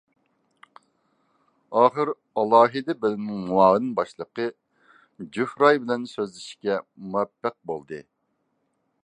ئاخىر ئالاھىدە بۆلۈمنىڭ مۇئاۋىن باشلىقى جوھراي بىلەن سۆزلىشىشكە مۇۋەپپەق بولدى.